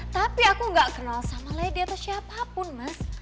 tapi aku gak kenal sama lady atau siapapun mas